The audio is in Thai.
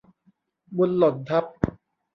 บุญหล่นทับ